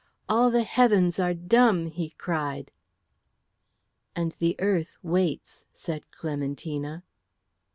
All the heavens are dumb," he cried. "And the earth waits," said Clementina.